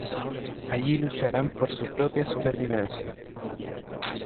Allí lucharán por su propia supervivencia.